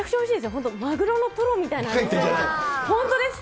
本当、マグロのトロみたいな味するんですよ。